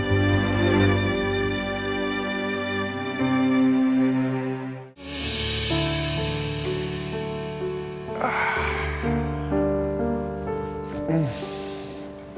saya tahu mereka melihatnya menggunanya